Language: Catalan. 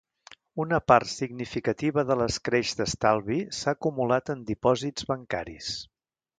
Una part significativa de l’escreix d’estalvi s’ha acumulat en dipòsits bancaris.